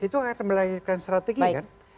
itu akan melahirkan strategi kan